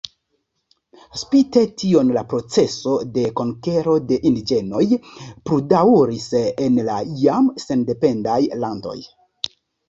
Spite tion la proceso de konkero de indiĝenoj pludaŭris en la jam sendependaj landoj.